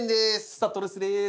スタッドレスです。